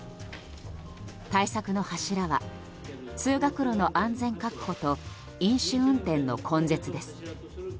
対策の柱は、通学路の安全確保と飲酒運転の根絶です。